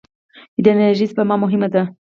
د انرژۍ سپما مهمه ده.